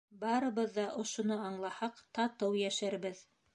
Барыбыҙ ҙа ошоно аңлаһаҡ, татыу йәшәрбеҙ